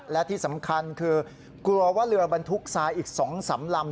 และที่สำคัญคือกลัวว่าเรือบรรทุกทรายอีก๒๓ลำ